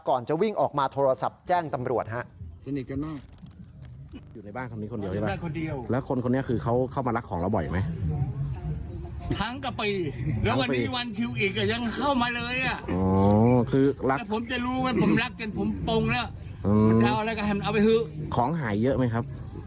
ก่อนจะวิ่งออกมาโทรศัพท์แจ้งตำรวจฮะ